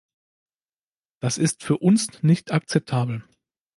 Das ist für uns nicht akzeptabel.